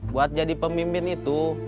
buat jadi pemimpin itu